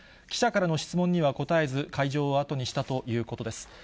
記者からの質問には答えず、会場をあとにしたということです。